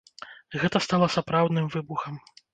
Гэта стала сапраўдным выбухам.